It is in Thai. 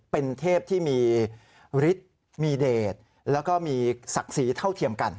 เป็นเทพที่มีฤทธิ์มีเดชแล้วก็มีศักดิ์ศรีเท่าเทียมกัน